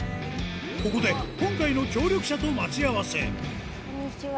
ここで、今回の協力者と待ち合わこんにちは。